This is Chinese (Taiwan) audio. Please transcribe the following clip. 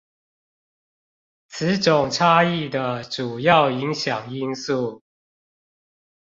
此種差異的主要影響因素